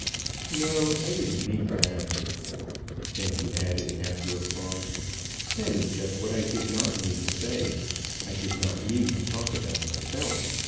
"No, I didn't mean that." Then he added, after a pause, "That is just what I did not mean to say. I did not mean to talk about myself.